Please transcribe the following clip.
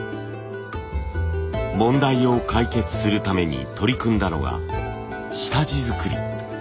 問題を解決するために取り組んだのが下地作り。